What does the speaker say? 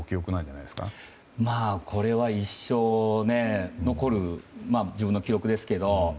これは一生残る自分の記憶ですけど。